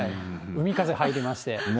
海風入りまして。